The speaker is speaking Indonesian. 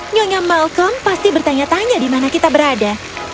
nyonya malcome pasti bertanya tanya di mana kita berada